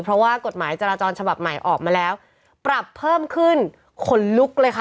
เพราะว่ากฎหมายจราจรฉบับใหม่ออกมาแล้วปรับเพิ่มขึ้นขนลุกเลยค่ะ